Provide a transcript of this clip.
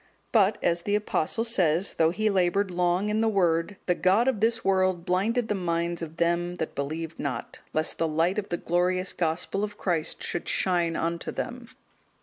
But, as the Apostle says, though he laboured long in the Word, "The god of this world blinded the minds of them that believed not, lest the light of the glorious Gospel of Christ should shine unto them."